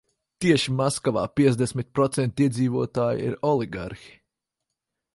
Tieši Maskavā piecdesmit procenti iedzīvotāju ir oligarhi.